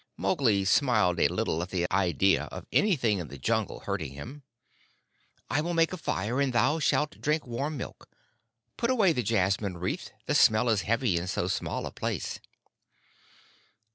Mowgli smiled a little at the idea of anything in the Jungle hurting him. "I will make a fire, and thou shalt drink warm milk. Put away the jasmine wreath: the smell is heavy in so small a place."